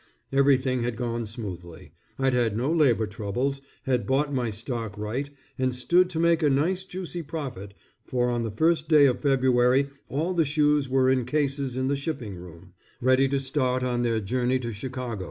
Everything had gone smoothly. I'd had no labor troubles, had bought my stock right, and stood to make a nice juicy profit, for on the first day of February all the shoes were in cases in the shipping room, ready to start on their journey to Chicago.